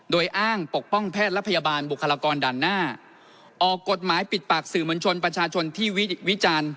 โดยอ้างปกป้องแพทย์และพยาบาลบุคลากรด่านหน้าออกกฎหมายปิดปากสื่อมวลชนประชาชนที่วิจารณ์